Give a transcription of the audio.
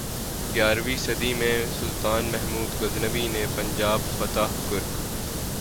گیارہویں صدی میں سلطان محمود غزنوی نے پنجاب فتح کرک